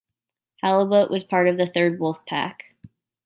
"Halibut" was part of the third wolf pack.